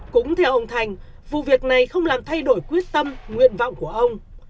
cũng theo ông thành vụ việc này không làm thay đổi quyết tâm nguyện vọng của ông